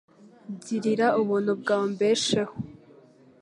Girira ubuntu bwawe umbesheho